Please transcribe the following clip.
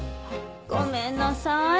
ごめんなさい。